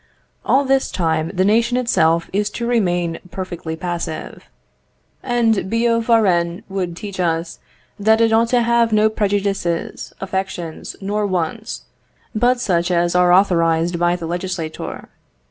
All this time the nation itself is to remain perfectly passive; and Billaud Varennes would teach us that it ought to have no prejudices, affections, nor wants, but such as are authorised by the legislator.